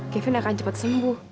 kevin akan cepet sembuh